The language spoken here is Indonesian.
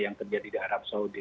yang terjadi di arab saudi